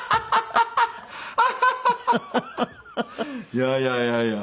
いやいやいやいや。